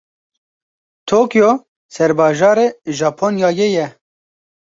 Tokyo serbajarê Japonyayê ye.